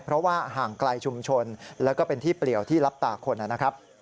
เพราะห่างไกลชุมชนและเป็นที่เปรี่ยวที่ลับตาคน